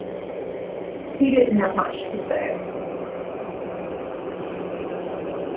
He didn't have much to say.